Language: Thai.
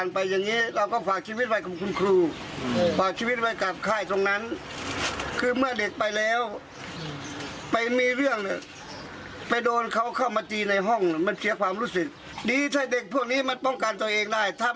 แล้วทางโรงเรียนพ่อไม่ได้ใส่ใจไม่ได้สนใจเด็กที่โดนเลย